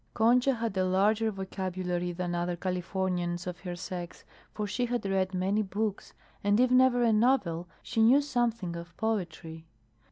Concha had a larger vocabulary than other Californians of her sex, for she had read many books, and if never a novel, she knew something of poetry.